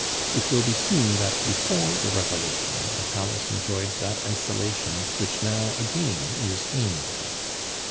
It will be seen that before the Revolution the Palace enjoyed that isolation which now again is aimed at.